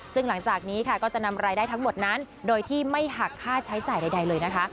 ซึ่งหลังจากนี้ค่ะก็จะนำรายได้ทั้งหมดนั้นโดยที่ไม่หักค่าใช้จ่ายใดเลยนะคะ